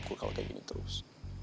gue kalau kayak gini terus